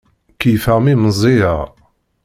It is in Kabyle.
Keyyfeɣ mi meẓẓiyeɣ.